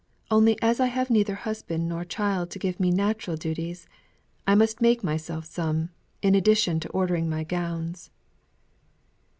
Only as I have neither husband nor child to give me natural duties, I must make myself some, in addition to ordering my gowns."